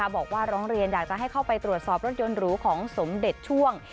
บอกว่าร้องเรียนอยากจะให้เข้าไปตรวจสอบรถยนต์หรูของสมเด็จช่วง